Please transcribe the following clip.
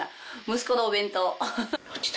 息子のお弁当。